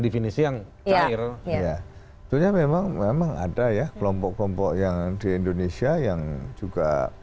bisa yang hirauya itu nya memang memang ada ya kelompok kelompok yang di indonesia yang juga